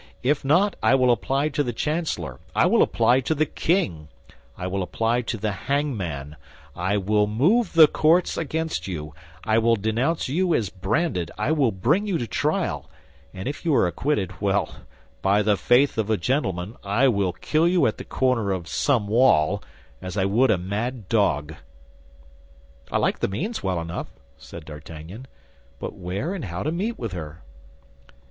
If not, I will apply to the chancellor, I will apply to the king, I will apply to the hangman, I will move the courts against you, I will denounce you as branded, I will bring you to trial; and if you are acquitted, well, by the faith of a gentleman, I will kill you at the corner of some wall, as I would a mad dog.'" "I like the means well enough," said D'Artagnan, "but where and how to meet with her?"